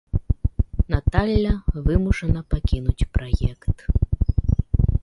Наталля вымушана пакінуць праект.